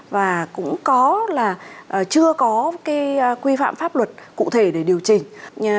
và cũng có là chưa có cái quy phạm pháp luật cụ thể để điều chỉnh